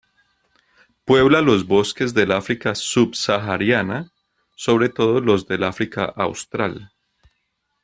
Puebla los bosques del África subsahariana, sobre todo los del África austral.